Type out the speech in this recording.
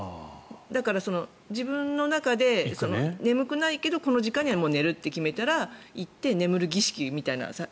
だから、自分の中で眠くないけどこの時間には寝るって決めたら行って眠る儀式みたいな。